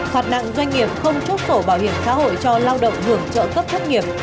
phạt nặng doanh nghiệp không chốt sổ bảo hiểm xã hội cho lao động hưởng trợ cấp thất nghiệp